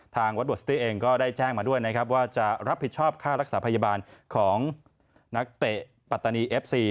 ทางวัดบทสตี้เองก็ได้แจ้งมาด้วยนะครับว่าจะรับผิดชอบค่ารักษาพยาบาลของนักเตะปัตตานีเอฟซี